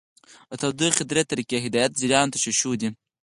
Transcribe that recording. د تودوخې درې طریقې هدایت، جریان او تشعشع دي.